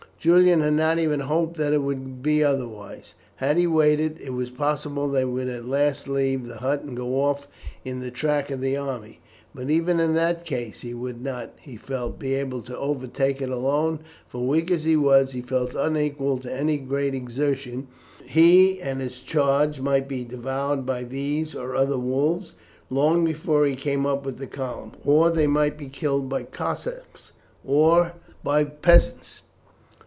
Julian had not even hoped that it would be otherwise. Had he waited, it was possible that they would at last leave the hut and go off in the track of the army; but even in that case, he would not, he felt, be able to overtake it alone, for, weak as he was, he felt unequal to any great exertion, and he and his charge might be devoured by these or other wolves, long before he came up with the column, or they might be killed by Cossacks or by peasants.